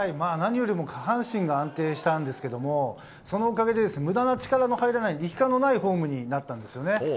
何よりも下半身が安定したんですがそのおかげで無駄な力の入らない力感のないフォームになったんですよね。